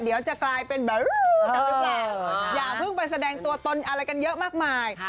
เดี๋ยวจะกลายเป็นแบบหรือเปล่าอย่าเพิ่งไปแสดงตัวตนอะไรกันเยอะมากมาย